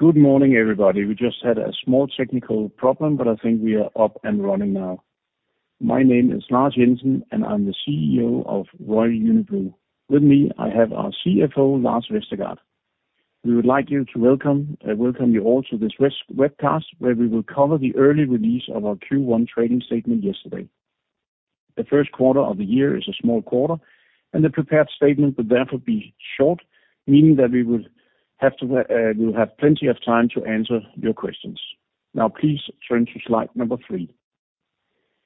Good morning, everybody. We just had a small technical problem, but I think we are up and running now. My name is Lars Jensen, and I'm the CEO of Royal Unibrew. With me, I have our CFO, Lars Vestergaard. We would like to welcome you all to this webcast, where we will cover the early release of our Q1 trading statement yesterday. The first quarter of the year is a small quarter, and the prepared statement will therefore be short, meaning that we will have to, we'll have plenty of time to answer your questions. Now, please turn to slide number 3.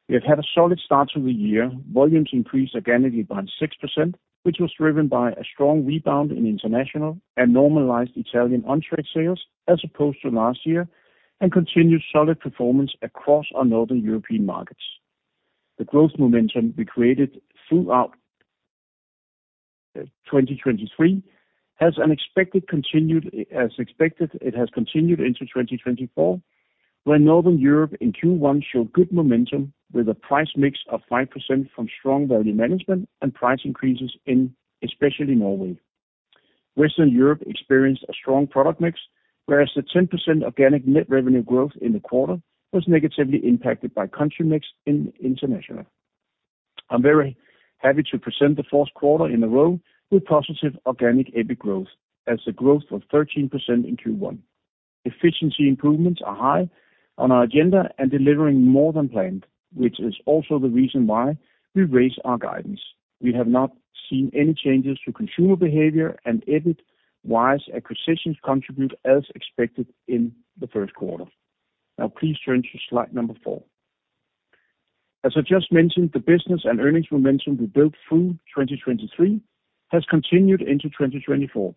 We have had a solid start to the year. Volumes increased organically by 6%, which was driven by a strong rebound in international and normalized Italian on-trade sales, as opposed to last year, and continued solid performance across our Northern European markets. The growth momentum we created throughout 2023 has unexpectedly continued, as expected, it has continued into 2024, where Northern Europe in Q1 showed good momentum, with a price mix of 5% from strong value management and price increases in especially Norway. Western Europe experienced a strong product mix, whereas the 10% organic net revenue growth in the quarter was negatively impacted by country mix in international. I'm very happy to present the fourth quarter in a row with positive organic EBIT growth, as the growth was 13% in Q1. Efficiency improvements are high on our agenda and delivering more than planned, which is also the reason why we raised our guidance. We have not seen any changes to consumer behavior, and EBIT-wise, acquisitions contribute as expected in the first quarter. Now, please turn to slide number 4. As I just mentioned, the business and earnings momentum we built through 2023 has continued into 2024.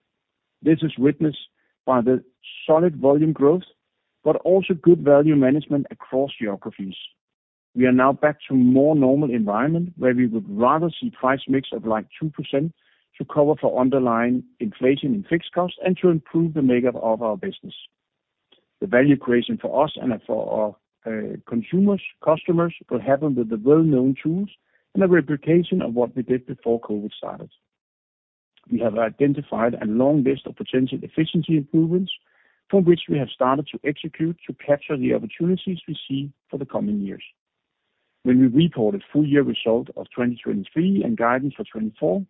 This is witnessed by the solid volume growth, but also good value management across geographies. We are now back to a more normal environment, where we would rather see price mix of, like, 2% to cover for underlying inflation in fixed costs and to improve the makeup of our business. The value creation for us and for our consumers, customers will happen with the well-known tools and a replication of what we did before COVID started. We have identified a long list of potential efficiency improvements, from which we have started to execute to capture the opportunities we see for the coming years. When we reported full-year result of 2023 and guidance for 2024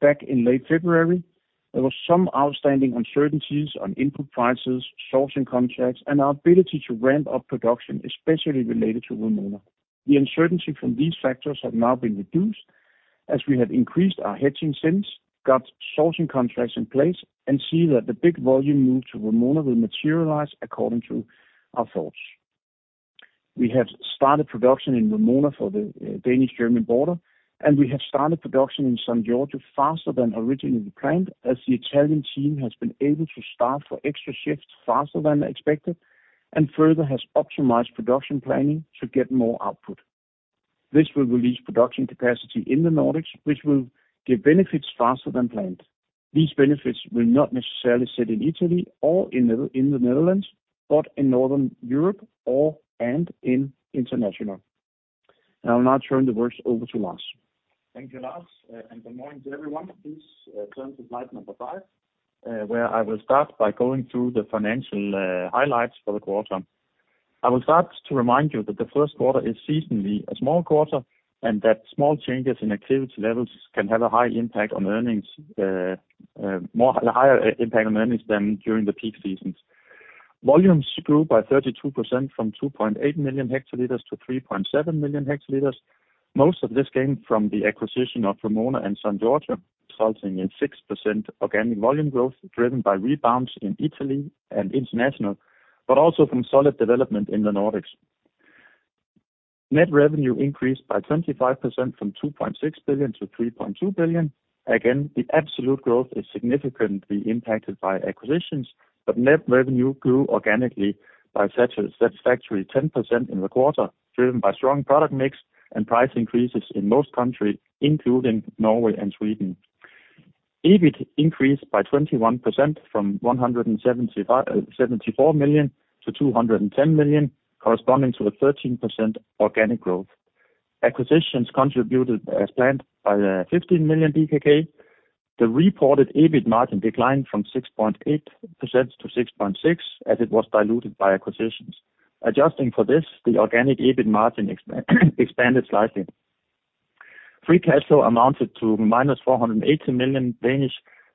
back in late February, there were some outstanding uncertainties on input prices, sourcing contracts, and our ability to ramp up production, especially related to Vrumona. The uncertainty from these factors have now been reduced, as we have increased our hedging since, got sourcing contracts in place, and see that the big volume move to Vrumona will materialize according to our thoughts. We have started production in Vrumona for the Danish-German border, and we have started production in San Giorgio faster than originally planned, as the Italian team has been able to staff for extra shifts faster than expected and further has optimized production planning to get more output. This will release production capacity in the Nordics, which will give benefits faster than planned. These benefits will not necessarily sit in Italy or in the Netherlands, but in Northern Europe or/and in international. I'll now turn the words over to Lars. Thank you, Lars, and good morning to everyone. Please, turn to slide number five, where I will start by going through the financial highlights for the quarter. I will start to remind you that the first quarter is seasonally a small quarter, and that small changes in activity levels can have a high impact on earnings, more, a higher impact on earnings than during the peak seasons. Volumes grew by 32% from 2.8 million hectoliters to 3.7 million hectoliters, most of this gained from the acquisition of Vrumona and San Giorgio, resulting in 6% organic volume growth, driven by rebounds in Italy and international, but also from solid development in the Nordics. Net revenue increased by 25% from 2.6 billion to 3.2 billion. Again, the absolute growth is significantly impacted by acquisitions, but net revenue grew organically by satisfactory 10% in the quarter, driven by strong product mix and price increases in most countries, including Norway and Sweden. EBIT increased by 21% from 174 million to 210 million, corresponding to a 13% organic growth. Acquisitions contributed as planned by 15 million. The reported EBIT margin declined from 6.8% to 6.6%, as it was diluted by acquisitions. Adjusting for this, the organic EBIT margin expanded slightly. Free cash flow amounted to -480 million,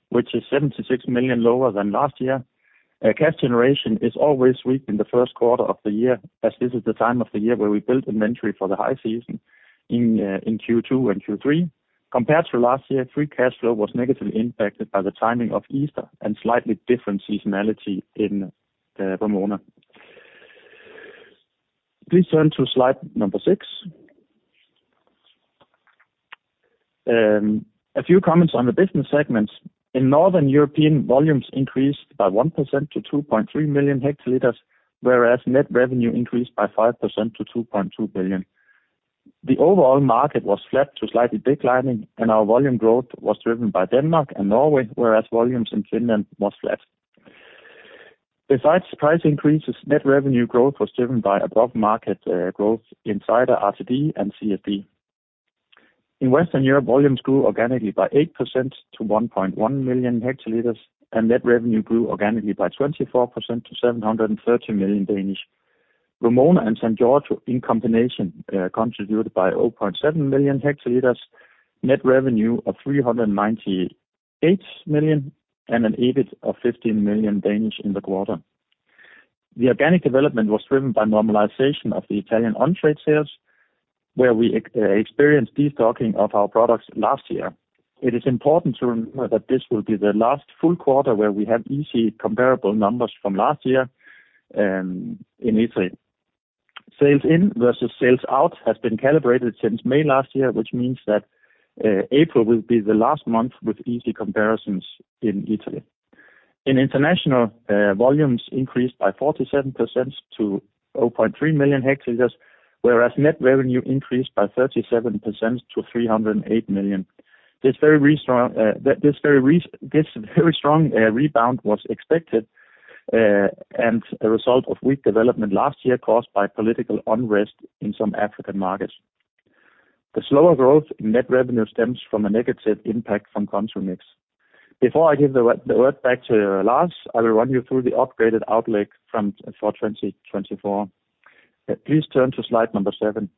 which is 76 million lower than last year. Cash generation is always weak in the first quarter of the year, as this is the time of the year where we build inventory for the high season in Q2 and Q3. Compared to last year, free cash flow was negatively impacted by the timing of Easter and slightly different seasonality in Vrumona. Please turn to slide number six. A few comments on the business segments. In Northern Europe, volumes increased by 1% to 2.3 million hectoliters, whereas net revenue increased by 5% to 2.2 billion. The overall market was flat to slightly declining, and our volume growth was driven by Denmark and Norway, whereas volumes in Finland was flat. Besides price increases, net revenue growth was driven by above-market growth inside RTD and CSD. In Western Europe, volumes grew organically by 8% to 1.1 million hectoliters, and net revenue grew organically by 24% to 730 million. Vrumona and San Giorgio, in combination, contributed 0.7 million hectoliters, net revenue of 398 million, and an EBIT of 15 million in the quarter. The organic development was driven by normalization of the Italian on-trade sales, where we experienced destocking of our products last year. It is important to remember that this will be the last full quarter where we have easy comparable numbers from last year in Italy. Sales in versus sales out has been calibrated since May last year, which means that, April will be the last month with easy comparisons in Italy. In international, volumes increased by 47% to 0.3 million hectoliters, whereas net revenue increased by 37% to 308 million. This very strong rebound was expected, and a result of weak development last year, caused by political unrest in some African markets. The slower growth in net revenue stems from a negative impact from country mix. Before I give the word back to Lars, I will run you through the upgraded outlook for 2024. Please turn to slide number 7.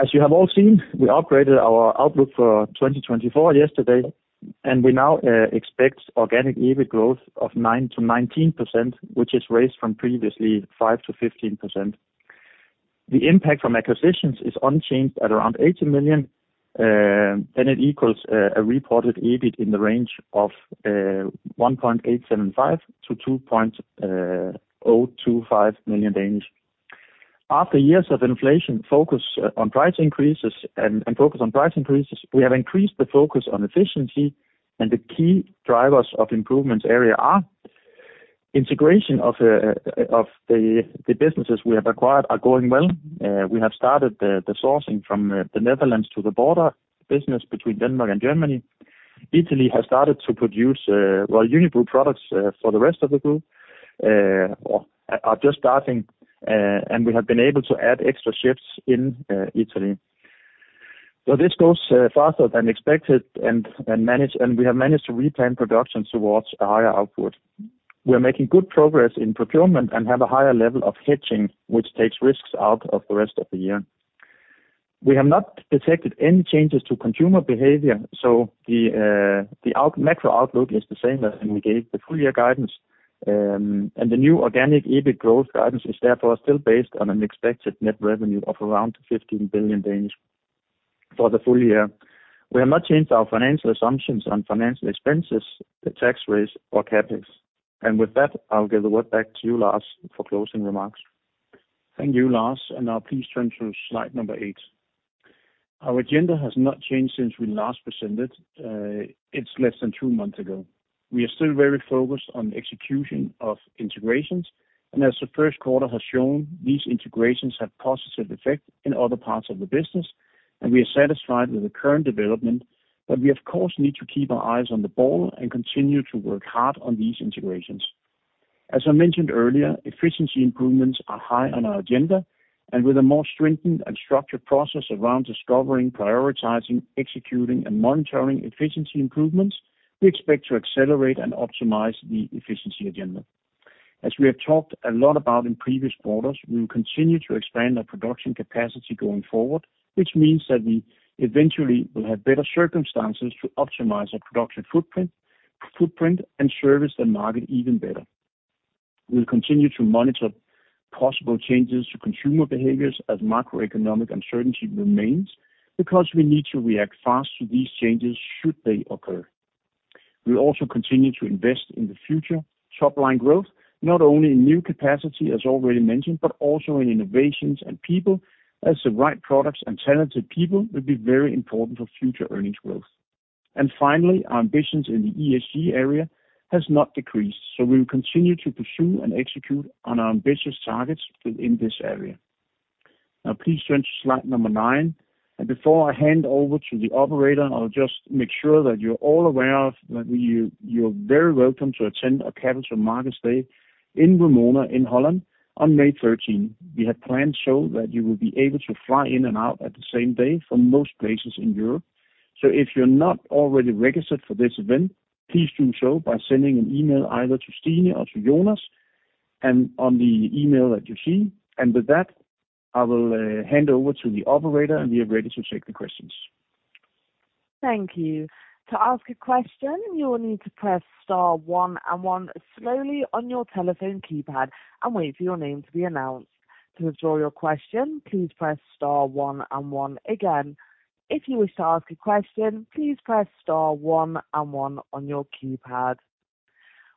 As you have all seen, we upgraded our outlook for 2024 yesterday, and we now expect organic EBIT growth of 9%-19%, which is raised from previously 5%-15%. The impact from acquisitions is unchanged at around 80 million, and it equals a reported EBIT in the range of 1.875 million-2.025 million Danish. After years of inflation, focus on price increases and focus on price increases, we have increased the focus on efficiency, and the key drivers of improvement areas are: integration of the businesses we have acquired are going well. We have started the sourcing from the Netherlands to the border business between Denmark and Germany. Italy has started to produce, Royal Unibrew products, for the rest of the group, or are just starting, and we have been able to add extra shifts in Italy. So this goes faster than expected, and we have managed to replan production towards a higher output. We're making good progress in procurement and have a higher level of hedging, which takes risks out of the rest of the year. We have not detected any changes to consumer behavior, so the overall macro outlook is the same as when we gave the full year guidance. And the new organic EBIT growth guidance is therefore still based on an expected net revenue of around 15 billion for the full year. We have not changed our financial assumptions on financial expenses, the tax rates, or CapEx. And with that, I'll give the word back to you, Lars, for closing remarks. Thank you, Lars. And now please turn to slide number 8. Our agenda has not changed since we last presented, it's less than 2 months ago. We are still very focused on execution of integrations, and as the first quarter has shown, these integrations have positive effect in other parts of the business, and we are satisfied with the current development. But we, of course, need to keep our eyes on the ball and continue to work hard on these integrations. As I mentioned earlier, efficiency improvements are high on our agenda, and with a more strengthened and structured process around discovering, prioritizing, executing, and monitoring efficiency improvements, we expect to accelerate and optimize the efficiency agenda. As we have talked a lot about in previous quarters, we will continue to expand our production capacity going forward, which means that we eventually will have better circumstances to optimize our production footprint and service the market even better. We'll continue to monitor possible changes to consumer behaviors as macroeconomic uncertainty remains, because we need to react fast to these changes, should they occur. We'll also continue to invest in the future top line growth, not only in new capacity, as already mentioned, but also in innovations and people, as the right products and talented people will be very important for future earnings growth. And finally, our ambitions in the ESG area has not decreased, so we will continue to pursue and execute on our ambitious targets within this area. Now please turn to slide number 9. Before I hand over to the operator, I'll just make sure that you're all aware that you're very welcome to attend our Capital Markets Day in Vrumona, in Holland, on May 13. We have planned so that you will be able to fly in and out at the same day from most places in Europe. So if you're not already registered for this event, please do so by sending an email either to Stine or to Jonas, and on the email that you see. And with that, I will hand over to the operator, and we are ready to take the questions. Thank you. To ask a question, you will need to press star one and one slowly on your telephone keypad and wait for your name to be announced. To withdraw your question, please press star one and one again. If you wish to ask a question, please press star one and one on your keypad.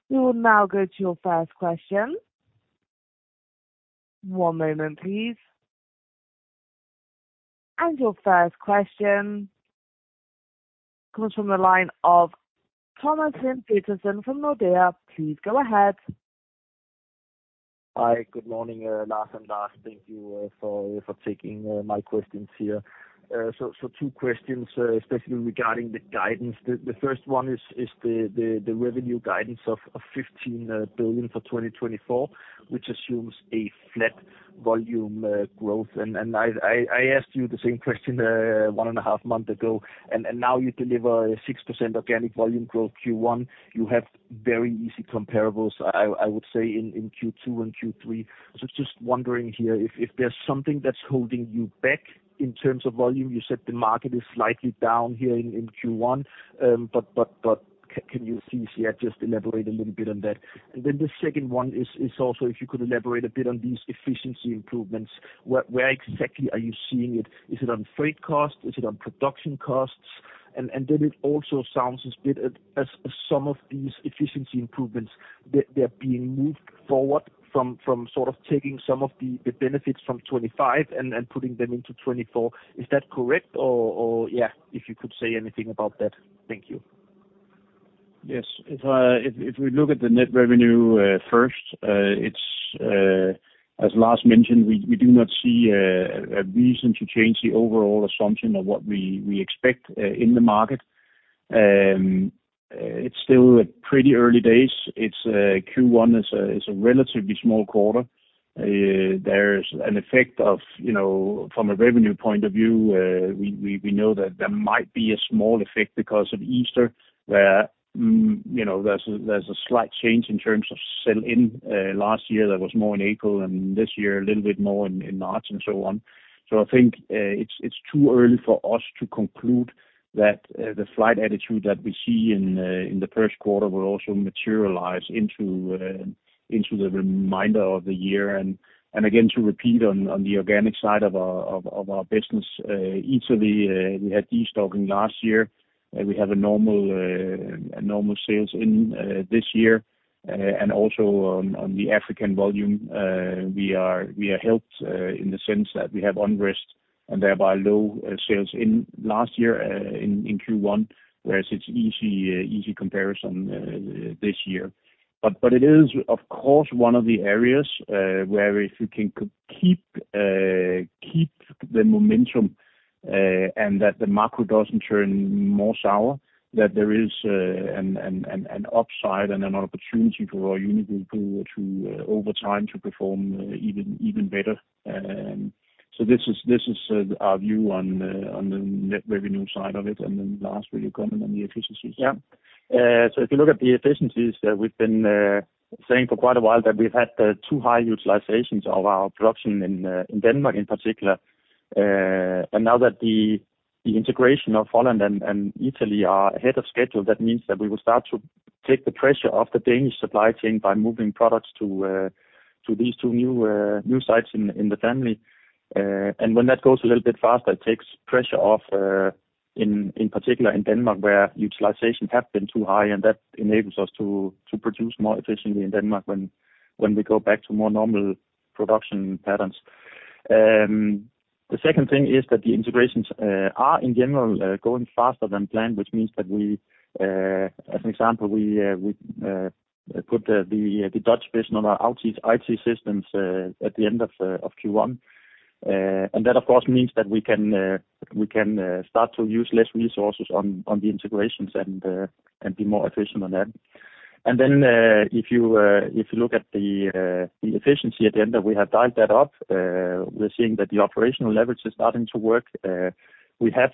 We will now go to your first question. One moment, please. And your first question comes from the line of Thomas Lind Petersen from Nordea. Please go ahead. Hi, good morning, Lars and Lars. Thank you for taking my questions here. So, two questions, especially regarding the guidance. The first one is the revenue guidance of 15 billion for 2024, which assumes a flat volume growth. And I asked you the same question one and a half month ago, and now you deliver a 6% organic volume growth Q1. You have very easy comparables, I would say in Q2 and Q3. So just wondering here if there's something that's holding you back in terms of volume? You said the market is slightly down here in Q1. But can you see, yeah, just elaborate a little bit on that. And then the second one is also if you could elaborate a bit on these efficiency improvements. Where exactly are you seeing it? Is it on freight costs? Is it on production costs? And then it also sounds a bit as if some of these efficiency improvements, they're being moved forward from sort of taking some of the benefits from 2025 and putting them into 2024. Is that correct? Or yeah, if you could say anything about that. Thank you. Yes. If we look at the net revenue, first, it's, as Lars mentioned, we do not see a reason to change the overall assumption of what we expect in the market. It's still pretty early days. It's Q1 is a relatively small quarter. There's an effect of, you know, from a revenue point of view, we know that there might be a small effect because of Easter, where, you know, there's a slight change in terms of sell in. Last year that was more in April, and this year a little bit more in March, and so on. I think it's too early for us to conclude that the slight upturn that we see in the first quarter will also materialize into the remainder of the year. And again, to repeat on the organic side of our business, Italy, we had destocking last year, and we have normal sales this year. And also on the African volume, we are helped in the sense that we have unrest and thereby low sales in last year in Q1, whereas it's easy comparison this year. But it is, of course, one of the areas where if you can keep the momentum, and that the macro doesn't turn more sour, that there is an upside and an opportunity for Royal Unibrew to over time to perform even better. So this is our view on the net revenue side of it. And then, Lars, will you comment on the efficiencies? Yeah.So if you look at the efficiencies, we've been saying for quite a while that we've had too high utilizations of our production in Denmark in particular. Now that the integration of Holland and Italy are ahead of schedule, that means that we will start to take the pressure off the Danish supply chain by moving products to these two new sites in the family. When that goes a little bit faster, it takes pressure off in particular in Denmark, where utilization have been too high, and that enables us to produce more efficiently in Denmark when we go back to more normal production patterns. The second thing is that the integrations are in general going faster than planned, which means that we, as an example, put the Dutch business on our IT systems at the end of Q1. That, of course, means that we can start to use less resources on the integrations and be more efficient on that. Then, if you look at the efficiency at the end, that we have dialed that up. We're seeing that the operational leverage is starting to work. We have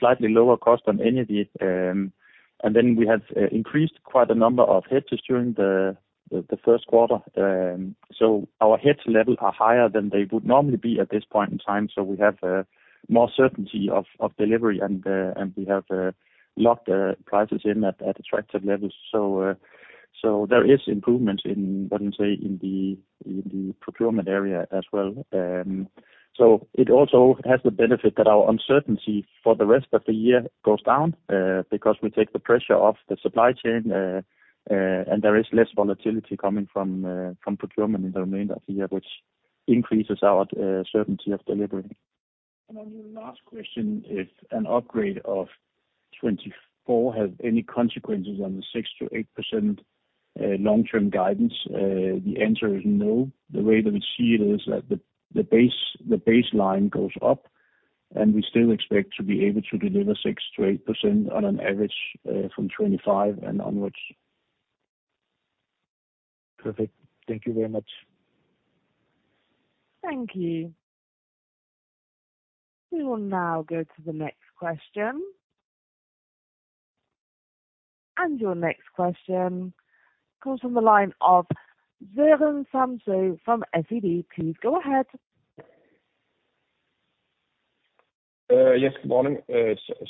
slightly lower cost on energy, and then we have increased quite a number of hedges during the first quarter. So our hedge level are higher than they would normally be at this point in time, so we have more certainty of delivery, and we have locked prices in at attractive levels. So there is improvement in, let me say, the procurement area as well. So it also has the benefit that our uncertainty for the rest of the year goes down, because we take the pressure off the supply chain, and there is less volatility coming from, from procurement in the remainder of the year, which increases our, certainty of delivery. And on your last question, if an upgrade of 2024 has any consequences on the 6%-8%, long-term guidance, the answer is no. The way that we see it is that the, the base, the baseline goes up, and we still expect to be able to deliver 6%-8% on an average, from 2025 and onwards. Perfect. Thank you very much. Thank you. We will now go to the next question. Your next question comes from the line of Søren Samsøe from SEB. Please go ahead. Yes, good morning.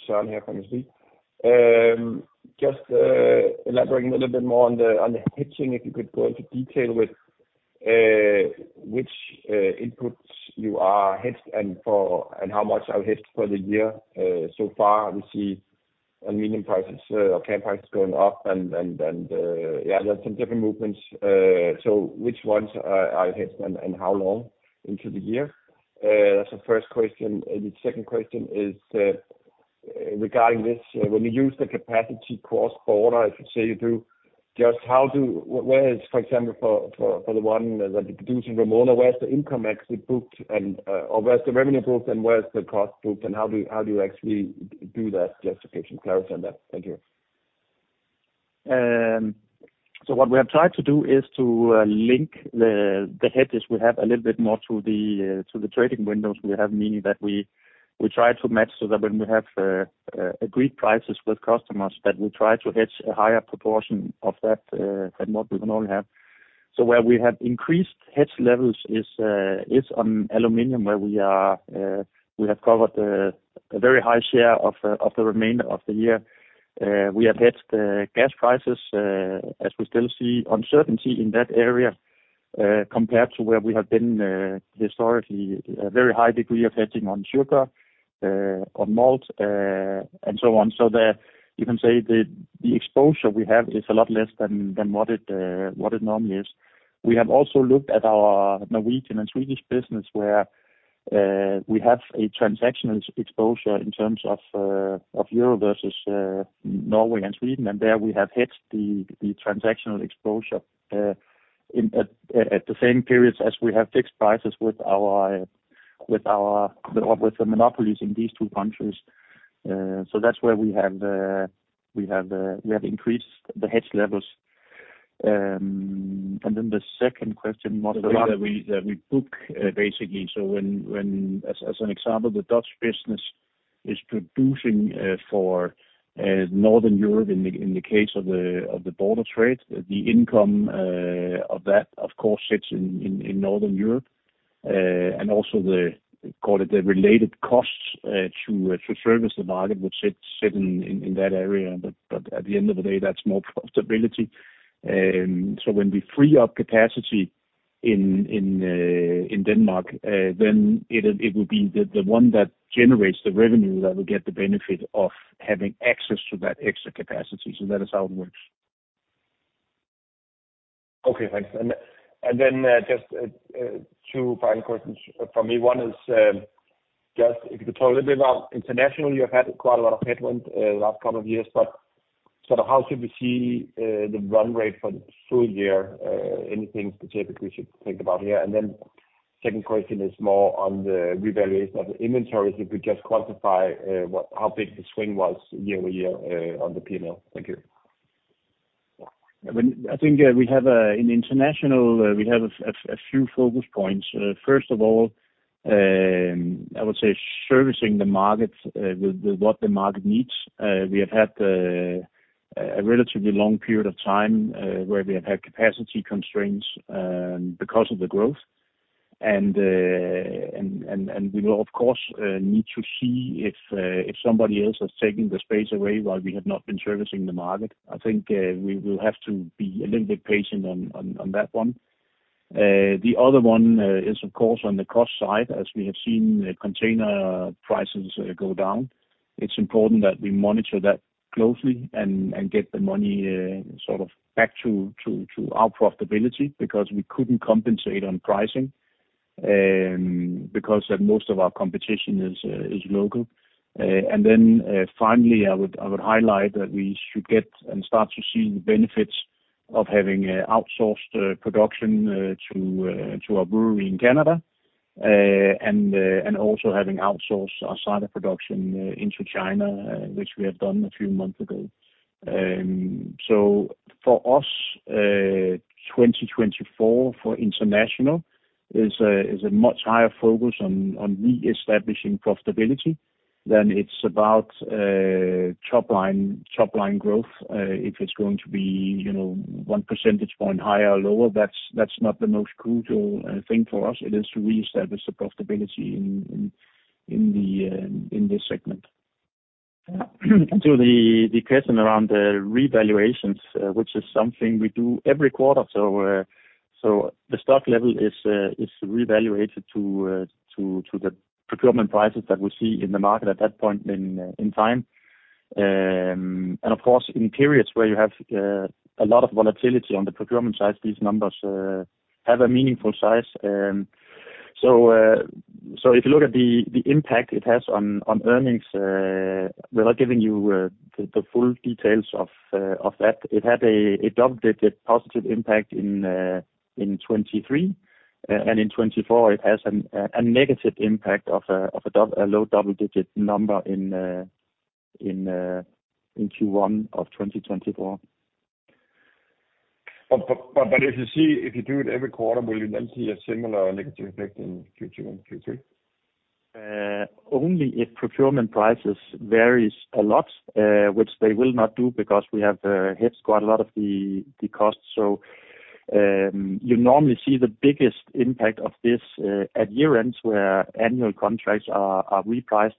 Søren here from SEB. Just elaborating a little bit more on the hedging, if you could go into detail with which inputs you are hedged, and how much are hedged for the year? So far, we see aluminum prices or care prices going up, and yeah, there are some different movements. So which ones are hedged and how long into the year? That's the first question. The second question is, regarding this, when you use the capacity cross-border, I should say you do, just how do, whereas, for example, for the one that you produce in Vrumona, where is the income actually booked and, or where's the revenue booked and where is the cost booked, and how do you, how do you actually do that justification? Clarify on that. Thank you.... So what we have tried to do is to link the hedges we have a little bit more to the trading windows we have, meaning that we try to match so that when we have agreed prices with customers, that we try to hedge a higher proportion of that than what we normally have. So where we have increased hedge levels is on aluminum, where we have covered a very high share of the remainder of the year. We have hedged gas prices as we still see uncertainty in that area compared to where we have been historically, a very high degree of hedging on sugar on malt and so on. So, you can say, the exposure we have is a lot less than what it normally is. We have also looked at our Norwegian and Swedish business, where we have a transactional exposure in terms of euro versus Norway and Sweden, and there we have hedged the transactional exposure in the same periods as we have fixed prices with the monopolies in these two countries. So that's where we have increased the hedge levels. And then the second question, what was that? The way that we book, basically, so when, as an example, the Dutch business is producing for Northern Europe in the case of the border trade, the income of that, of course, sits in Northern Europe. And also the, call it, the related costs to service the market, which sit in that area. But at the end of the day, that's more profitability. So when we free up capacity in Denmark, then it will be the one that generates the revenue that will get the benefit of having access to that extra capacity. So that is how it works. Okay, thanks. And, and then, just, two final questions from me. One is, just if you could talk a little bit about international. You've had quite a lot of headwinds, last couple of years, but sort of how should we see, the run rate for the full year? Anything specific we should think about here? And then second question is more on the revaluation of the inventories. If you could just quantify, what, how big the swing was year-over-year, on the P&L. Thank you. I think we have in international a few focus points. First of all, I would say servicing the market with what the market needs. We have had a relatively long period of time where we have had capacity constraints because of the growth. And we will of course need to see if somebody else has taken the space away while we have not been servicing the market. I think we will have to be a little bit patient on that one. The other one is of course on the cost side, as we have seen container prices go down. It's important that we monitor that closely and get the money sort of back to our profitability, because we couldn't compensate on pricing, because most of our competition is local. And then, finally, I would highlight that we should get and start to see the benefits of having outsourced production to our brewery in Canada. And also having outsourced our cider production into China, which we have done a few months ago. So for us, 2024 for international is a much higher focus on reestablishing profitability than it's about top line growth. If it's going to be, you know, one percentage point higher or lower, that's not the most crucial thing for us. It is to reestablish the profitability in this segment. So the question around the revaluations, which is something we do every quarter, so the stock level is reevaluated to the procurement prices that we see in the market at that point in time. And of course, in periods where you have a lot of volatility on the procurement side, these numbers have a meaningful size. So if you look at the impact it has on earnings, without giving you the full details of that, it had a double-digit positive impact in 2023. In 2024, it has a negative impact of a low double-digit number in Q1 of 2024. But if you see, if you do it every quarter, will you then see a similar negative effect in Q2 and Q3? Only if procurement prices varies a lot, which they will not do because we have hedged quite a lot of the costs. So, you normally see the biggest impact of this at year-ends, where annual contracts are repriced,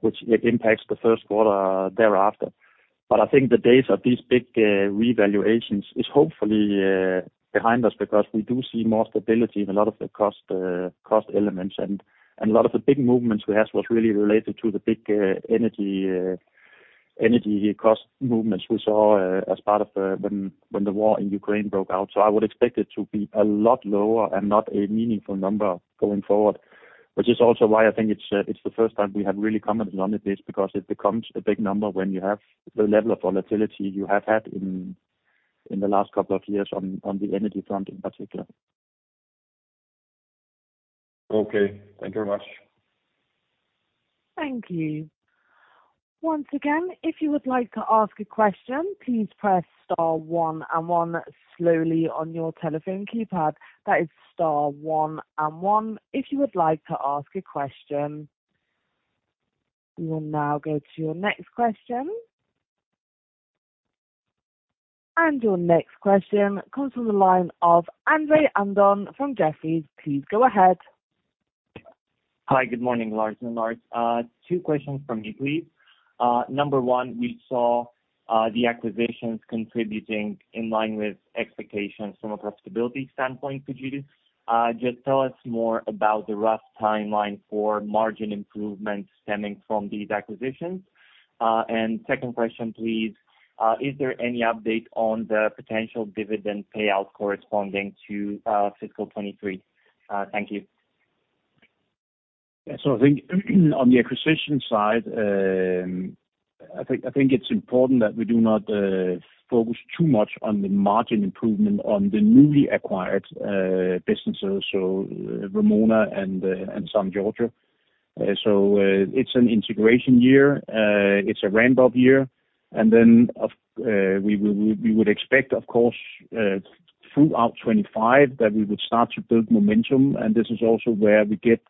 which it impacts the first quarter thereafter. But I think the days of these big revaluations is hopefully behind us, because we do see more stability in a lot of the cost elements. And a lot of the big movements we had was really related to the big energy cost movements we saw as part of when the war in Ukraine broke out. So I would expect it to be a lot lower and not a meaningful number going forward. Which is also why I think it's the first time we have really commented on it, is because it becomes a big number when you have the level of volatility you have had in the last couple of years on the energy front in particular.... Okay, thank you very much. Thank you. Once again, if you would like to ask a question, please press star one and one slowly on your telephone keypad. That is star one and one, if you would like to ask a question. We will now go to your next question. Your next question comes from the line of Andrei Andon from Jefferies. Please go ahead. Hi, good morning, Lars and Lars. Two questions from me, please. Number one, we saw the acquisitions contributing in line with expectations from a profitability standpoint. Could you just tell us more about the rough timeline for margin improvements stemming from these acquisitions? Second question, please, is there any update on the potential dividend payout corresponding to fiscal 2023? Thank you. Yeah. So I think on the acquisition side, I think, I think it's important that we do not focus too much on the margin improvement on the newly acquired businesses, so Vrumona and, and San Giorgio. So, it's an integration year, it's a ramp-up year, and then we will- we would expect, of course, throughout 2025, that we would start to build momentum. And this is also where we get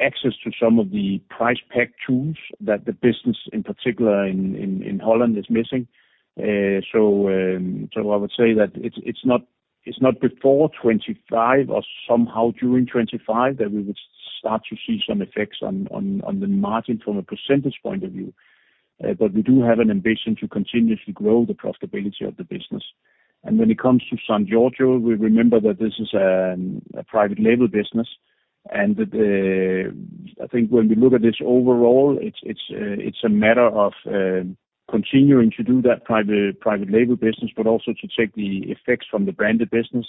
access to some of the price pack tools that the business, in particular in Holland, is missing. So, so I would say that it's, it's not, it's not before 2025 or somehow during 2025, that we would start to see some effects on the margin from a percentage point of view. But we do have an ambition to continuously grow the profitability of the business. And when it comes to San Giorgio, we remember that this is a private label business, and that I think when we look at this overall, it's a matter of continuing to do that private label business, but also to take the effects from the branded business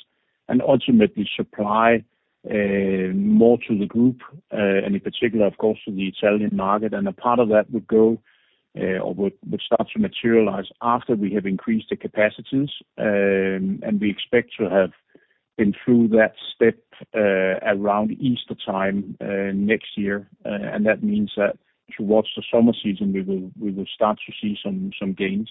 and ultimately supply more to the group and in particular, of course, to the Italian market. And a part of that would go or would start to materialize after we have increased the capacities. And we expect to have been through that step around Easter time next year. And that means that towards the summer season, we will start to see some gains.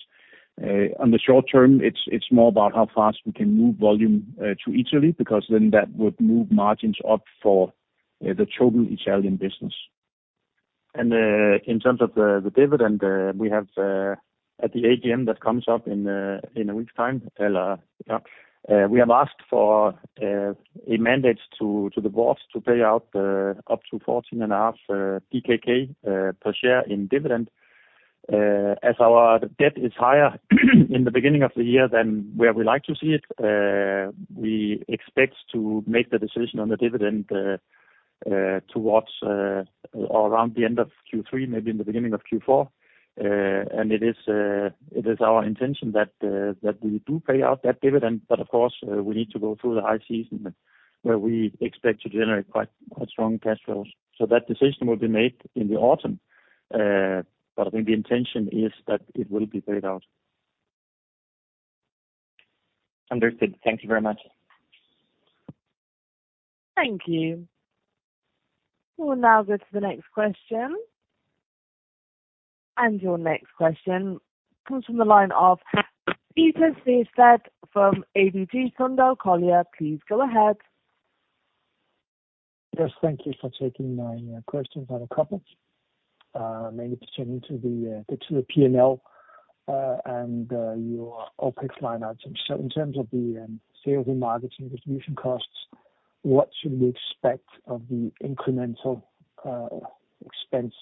On the short term, it's more about how fast we can move volume to Italy, because then that would move margins up for the total Italian business. And in terms of the dividend, we have at the AGM that comes up in a week's time, we have asked for a mandate to the board to pay out up to 14.5 DKK per share in dividend. As our debt is higher in the beginning of the year than where we like to see it, we expect to make the decision on the dividend towards or around the end of Q3, maybe in the beginning of Q4. And it is our intention that we do pay out that dividend. But of course, we need to go through the high season, where we expect to generate quite, quite strong cash flows. So that decision will be made in the autumn. but I think the intention is that it will be paid out. Understood. Thank you very much. Thank you. We will now go to the next question. Your next question comes from the line of Peter Sehested from ABG Sundal Collier. Please go ahead. Yes, thank you for taking my questions. I have a couple. Mainly pertaining to the P&L and your OpEx line items. So in terms of the sales and marketing distribution costs, what should we expect of the incremental expense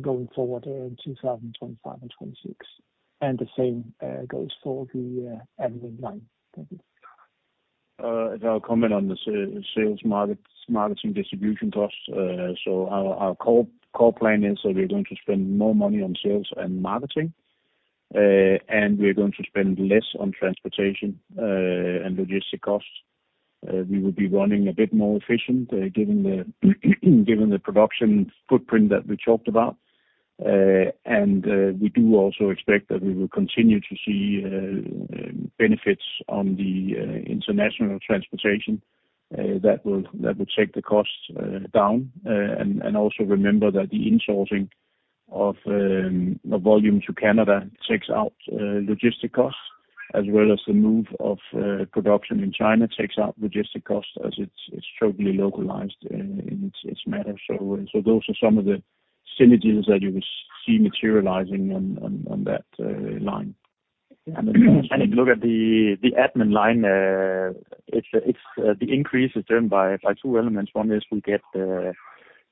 going forward in 2025 and 2026? And the same goes for the admin line. Thank you. I'll comment on the sales, markets, marketing, distribution costs. So our core plan is that we're going to spend more money on sales and marketing, and we're going to spend less on transportation and logistic costs. We will be running a bit more efficient, given the production footprint that we talked about. We do also expect that we will continue to see benefits on the international transportation that will take the costs down. Also remember that the in-sourcing of volume to Canada takes out logistic costs, as well as the move of production in China takes out logistic costs as it's totally localized in its matter. So those are some of the synergies that you will see materializing on that line. If you look at the admin line, it's the increase is driven by two elements. One is we get the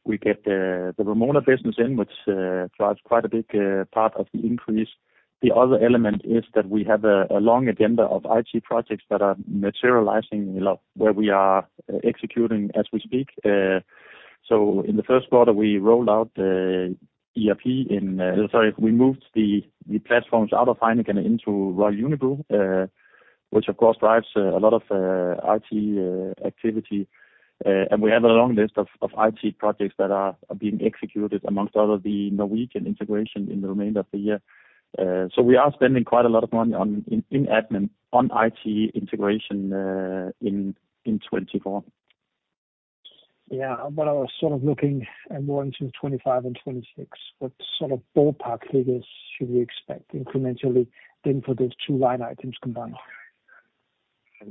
Vrumona business in which drives quite a big part of the increase. The other element is that we have a long agenda of IT projects that are materializing, a lot where we are executing as we speak. So in the first quarter, we rolled out ERP in... Sorry, we moved the platforms out of Heineken into Royal Unibrew, which of course drives a lot of IT activity. We have a long list of IT projects that are being executed, amongst other, the Norwegian integration in the remainder of the year. We are spending quite a lot of money on admin, on IT integration in 2024.... Yeah, but I was sort of looking at more into 2025 and 2026. What sort of ballpark figures should we expect incrementally then for those two line items combined?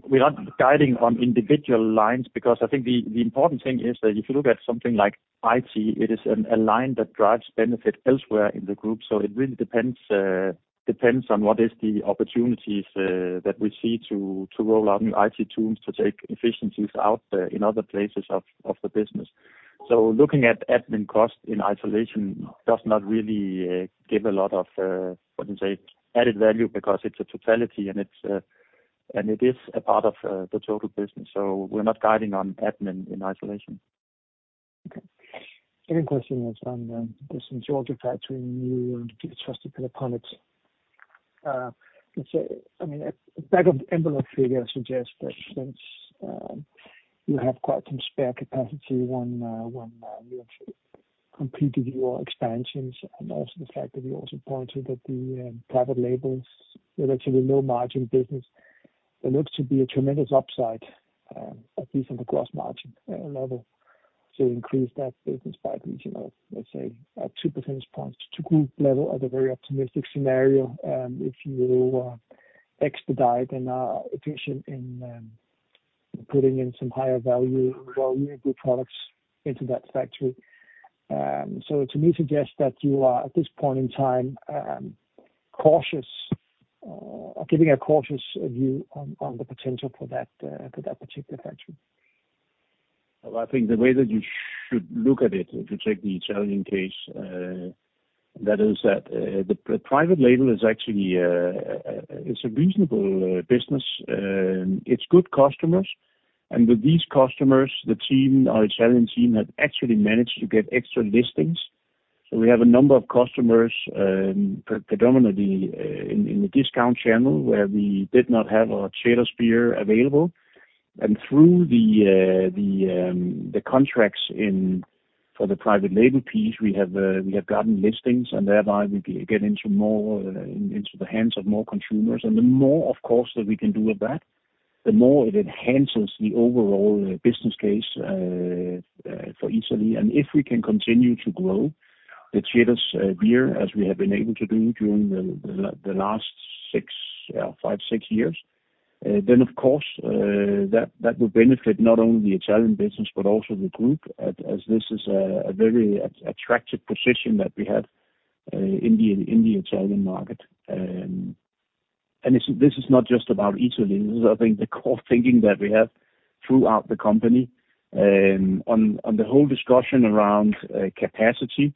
We're not guiding on individual lines because I think the important thing is that if you look at something like IT, it is a line that drives benefit elsewhere in the group, so it really depends on what is the opportunities that we see to roll out new IT tools to take efficiencies out in other places of the business. So looking at admin cost in isolation does not really give a lot of added value because it's a totality and it is a part of the total business, so we're not guiding on admin in isolation. Okay. Any question that's on this San Giorgio factory, you and the trusted pilot partners. Let's say, I mean, a back of the envelope figure suggests that since you have quite some spare capacity when you actually completed your expansions, and also the fact that you also pointed that the private labels, relatively low margin business, there looks to be a tremendous upside, at least on the gross margin level to increase that business by regional, let's say, 2 percentage points to group level as a very optimistic scenario, if you expedite and efficient in putting in some higher value or good products into that factory. So to me, suggests that you are, at this point in time, cautious, or giving a cautious view on the potential for that particular factory. Well, I think the way that you should look at it, if you take the Italian case, that is that the private label is actually a reasonable business. It's good customers, and with these customers, the team, our Italian team, have actually managed to get extra listings. So we have a number of customers, predominantly in the discount channel, where we did not have our trade beer available. And through the contracts for the private label piece, we have gotten listings, and thereby we can get more into the hands of more consumers. And the more, of course, that we can do with that, the more it enhances the overall business case for Italy. If we can continue to grow the trade beer, as we have been able to do during the last 6, 5, 6 years, then of course, that will benefit not only the Italian business, but also the group, as this is a very attractive position that we have in the Italian market. And this is not just about Italy. This is, I think, the core thinking that we have throughout the company. On the whole discussion around capacity,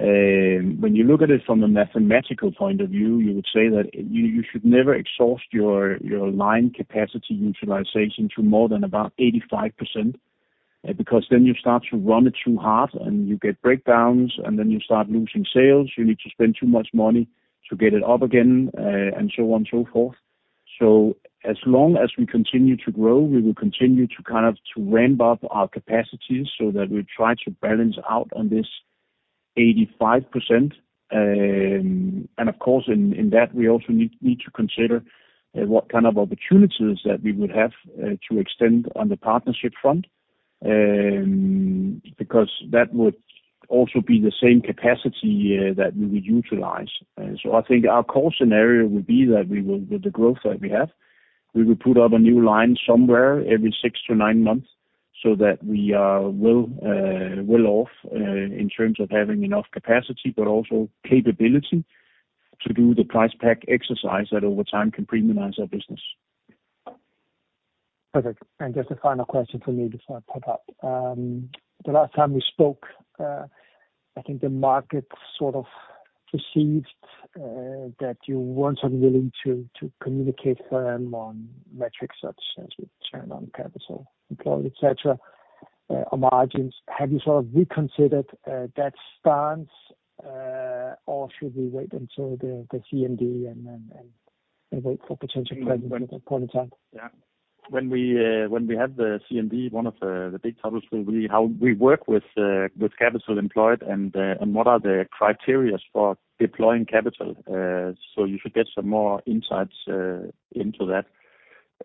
when you look at it from a mathematical point of view, you would say that you should never exhaust your line capacity utilization to more than about 85%, because then you start to run it too hard, and you get breakdowns, and then you start losing sales. You need to spend too much money to get it up again, and so on, so forth. So as long as we continue to grow, we will continue to kind of ramp up our capacities so that we try to balance out on this 85%. And of course, in that, we also need to consider what kind of opportunities that we would have to extend on the partnership front, because that would also be the same capacity that we would utilize. So I think our core scenario would be that we will, with the growth that we have, we will put up a new line somewhere every 6-9 months so that we, well, well off, in terms of having enough capacity, but also capability to do the price pack exercise that over time can premiumize our business. Perfect. And just a final question for me before I pick up. The last time we spoke, I think the market sort of perceived that you weren't unwilling to communicate firmly on metrics such as return on capital employed, et cetera, or margins. Have you sort of reconsidered that stance, or should we wait until the CMD and then wait for potential presentation at that point in time? Yeah. When we have the CMD, one of the big topics will be how we work with capital employed and what are the criteria for deploying capital. So you should get some more insights into that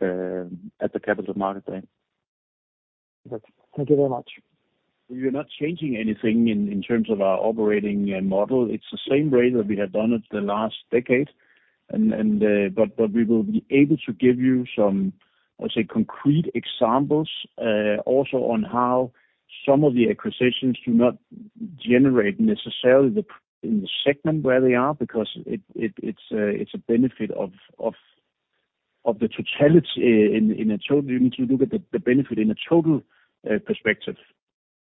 at the Capital Market Day. Thank you very much. We are not changing anything in terms of our operating model. It's the same way that we have done it the last decade, and but we will be able to give you some, I say, concrete examples, also on how some of the acquisitions do not generate necessarily the in the segment where they are, because it's a benefit of the totality in a total. You need to look at the benefit in a total perspective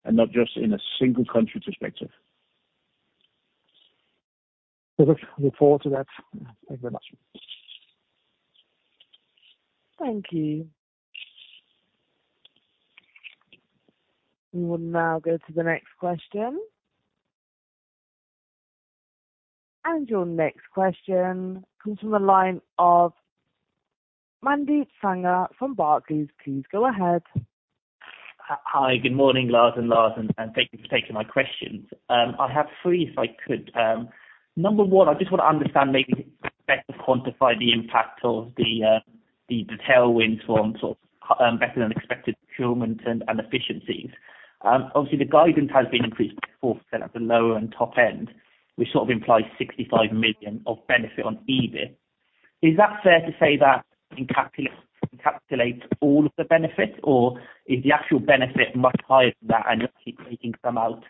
and not just in a single country perspective. Perfect. Look forward to that. Thank you very much. Thank you. We will now go to the next question. Your next question comes from the line of Mandeep Sangha from Barclays. Please go ahead. Hi, good morning, Lars and Lars, and thank you for taking my questions. I have three, if I could. Number one, I just want to understand, maybe better quantify the impact of the tailwinds from sort of better than expected procurement and efficiencies. Obviously, the guidance has been increased by 4% at the lower and top end, which sort of implies 65 million of benefit on EBIT. Is that fair to say that encapsulates all of the benefits, or is the actual benefit much higher than that, and you're keeping some out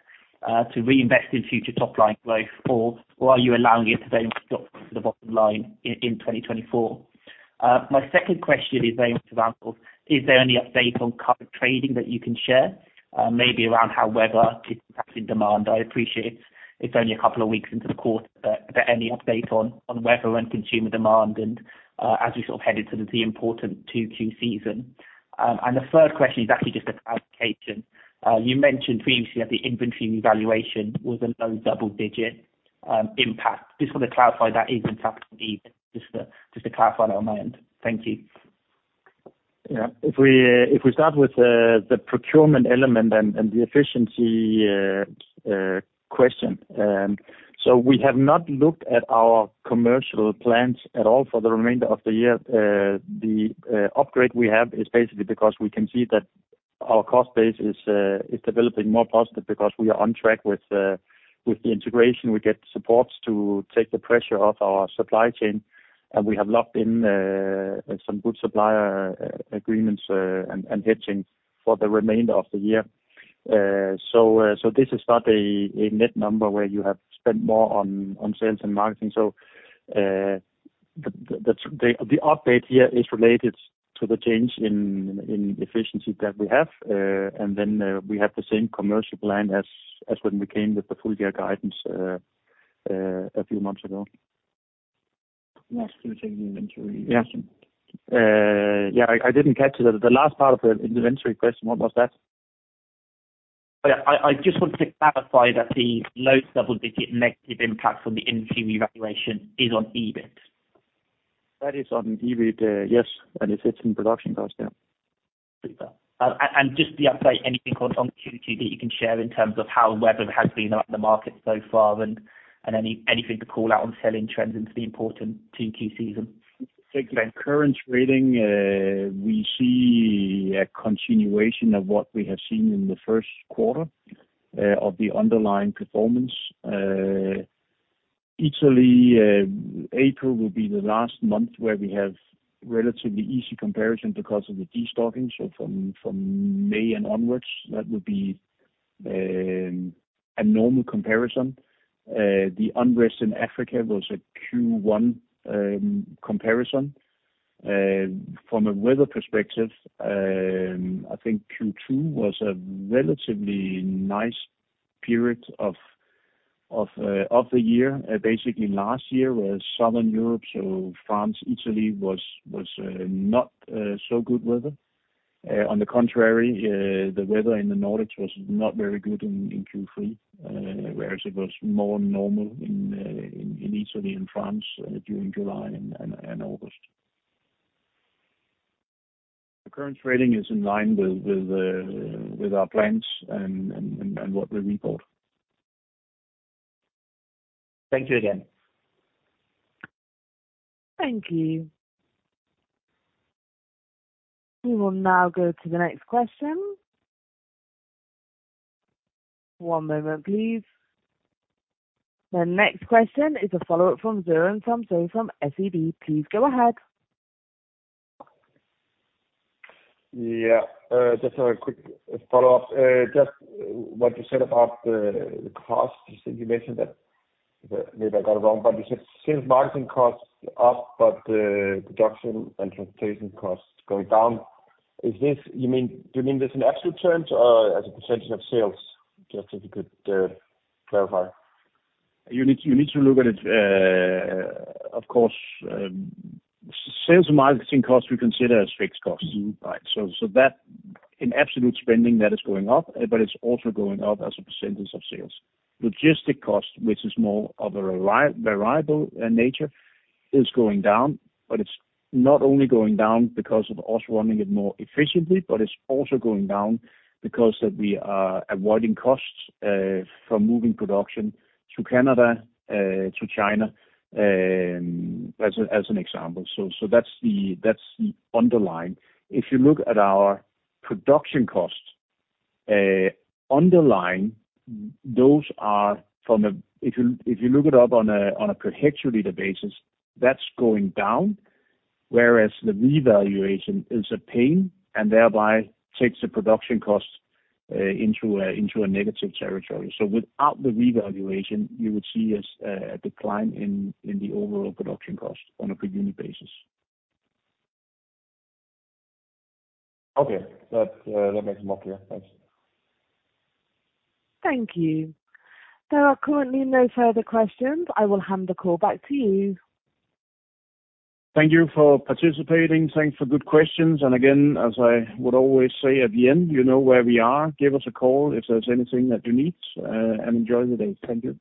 to reinvest in future top-line growth, or are you allowing it to then drop to the bottom line in 2024? My second question is then to Lars. Is there any update on current trading that you can share, maybe around how weather is impacting demand? I appreciate it's only a couple of weeks into the quarter, but is there any update on weather and consumer demand, and as you sort of head into the important 2Q season? And the third question is actually just a clarification. You mentioned previously that the inventory valuation was a low double digit impact. Just want to clarify that is in fact just to clarify that on my end. Thank you. Yeah. If we start with the procurement element and the efficiency question. So we have not looked at our commercial plans at all for the remainder of the year. The upgrade we have is basically because we can see that our cost base is developing more positive because we are on track with the integration. We get supports to take the pressure off our supply chain, and we have locked in some good supplier agreements, and hedging for the remainder of the year. So this is not a net number where you have spent more on sales and marketing. So the update here is related to the change in efficiency that we have. And then, we have the same commercial plan as, as when we came with the full year guidance, a few months ago. Lars, can you take the inventory question? Yeah, I didn't catch the last part of the inventory question. What was that? Yeah, I, I just wanted to clarify that the low double digit negative impact on the inventory valuation is on EBIT. That is on EBIT, yes, and it's in production costs, yeah. Just the update, anything on Q2 that you can share in terms of how weather has been on the market so far, and anything to call out on selling trends into the important Q2 season? Thanks. Current trading, we see a continuation of what we have seen in the first quarter of the underlying performance. Italy, April will be the last month where we have relatively easy comparison because of the destocking. So from May and onwards, that would be a normal comparison. The unrest in Africa was a Q1 comparison. From a weather perspective, I think Q2 was a relatively nice period of the year. Basically, last year was Southern Europe, so France, Italy was not so good weather. On the contrary, the weather in the Nordics was not very good in Q3, whereas it was more normal in Italy and France during July and August. The current trading is in line with our plans and what we report. Thank you again. Thank you. We will now go to the next question. One moment, please. The next question is a follow-up from Søren Samsøe from SEB. Please go ahead. Yeah, just a quick follow-up. Just what you said about the, the cost, you said you mentioned that, maybe I got it wrong, but you said sales marketing costs are up, but the production and transportation costs going down. Is this, you mean—do you mean this in absolute terms or as a percentage of sales? Just if you could, clarify. You need, you need to look at it, of course, sales and marketing costs, we consider as fixed costs. Mm-hmm. Right. So that in absolute spending, that is going up, but it's also going up as a percentage of sales. Logistics cost, which is more of a relative variable nature, is going down, but it's not only going down because of us running it more efficiently, but it's also going down because we are avoiding costs from moving production to Canada to China, as an example. So that's the underlying. If you look at our production costs underlying, if you look it up on a per hectoliter basis, that's going down, whereas the revaluation is a gain and thereby takes the production cost into a negative territory. So without the revaluation, you would see a decline in the overall production cost on a per unit basis. Okay. That makes it more clear. Thanks. Thank you. There are currently no further questions. I will hand the call back to you. Thank you for participating. Thanks for good questions. Again, as I would always say, at the end, you know where we are. Give us a call if there's anything that you need, and enjoy the day. Thank you.